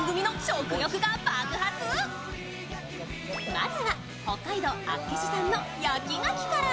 まずは北海道厚岸産の焼き牡蠣から。